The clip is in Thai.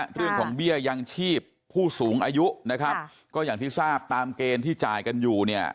เรื่องของเบี้ยยังชีพผู้สูงอายุนะครับก็อย่างที่ทราบตามเกณฑ์ที่จ่ายกันอยู่เนี่ย